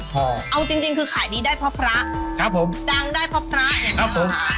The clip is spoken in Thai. พอเอาจริงจริงคือขายดีได้เพราะพระครับผมดังได้เพราะพระเนี่ยครับผม